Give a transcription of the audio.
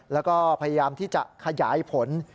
แล้วก็พยายามที่จะขยายผล